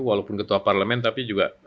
walaupun ketua parlemen tapi juga